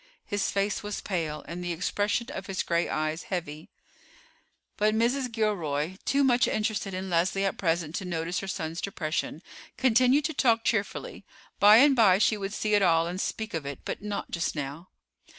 His face was pale, and the expression of his gray eyes heavy. But Mrs. Gilroy, too much interested in Leslie at present to notice her son's depression, continued to talk cheerfully. By and by she would see it all and speak of it, but not just now.